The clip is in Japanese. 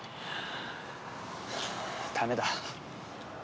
ダメだ。